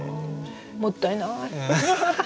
もったいない！